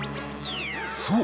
そう！